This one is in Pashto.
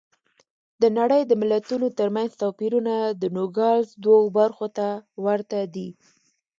د نړۍ د ملتونو ترمنځ توپیرونه د نوګالس دوو برخو ته ورته دي.